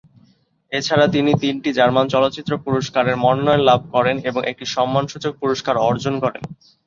এছাড়া তিনি তিনটি জার্মান চলচ্চিত্র পুরস্কারের মনোনয়ন লাভ করেন এবং একটি সম্মানসূচক পুরস্কার অর্জন করেন।